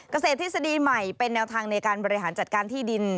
เกษตรทฤษฎีใหม่เป็นแนวทางในการบริหารจัดการที่ดิน